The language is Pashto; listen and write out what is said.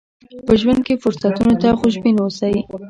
په ژوند کې فرصتونو ته خوشبين اوسئ.